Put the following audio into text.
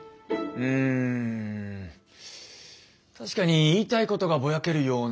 うん確かに言いたいことがぼやけるような。